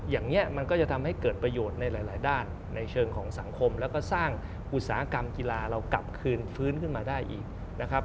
อย่างนี้มันก็จะทำให้เกิดประโยชน์ในหลายด้านในเชิงของสังคมแล้วก็สร้างอุตสาหกรรมกีฬาเรากลับคืนฟื้นขึ้นมาได้อีกนะครับ